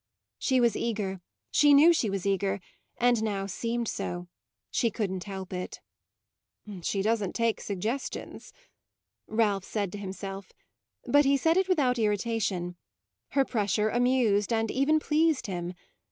She was eager, she knew she was eager and now seemed so; she couldn't help it. "She doesn't take suggestions," Ralph said to himself; but he said it without irritation; her pressure amused and even pleased him.